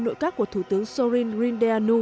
nội các của thủ tướng sorin grindeanu